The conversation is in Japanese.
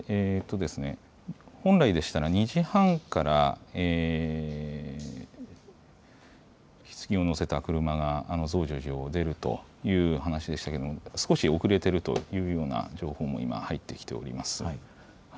本来でしたら２時半からひつぎを乗せた車が増上寺を出るという話しでしたけども少し遅れているというような情報が今、入ってきております。